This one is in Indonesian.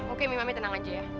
oke mima tenang aja ya